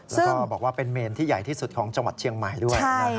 แล้วก็บอกว่าเป็นเมนที่ใหญ่ที่สุดของจังหวัดเชียงใหม่ด้วย